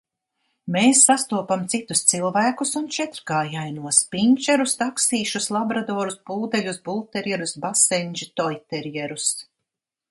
Mēs sastopam citus cilvēkus un četrkājainos – pinčerus, taksīšus, labradorus, pūdeļus, bulterjerus, basendži, toiterjerus...